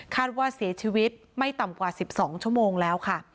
ว่าเสียชีวิตไม่ต่ำกว่า๑๒ชั่วโมงแล้วค่ะ